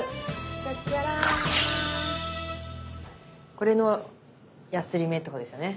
これのやすり目ってことですよね？